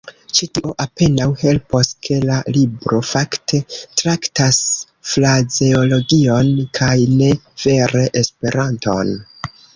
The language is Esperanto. Ĉe tio apenaŭ helpos, ke la libro fakte traktas frazeologion kaj ne vere Esperanton.